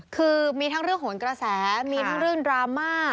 คือมีทั้งเรื่องของกระแสมีทั้งเรื่องดราม่า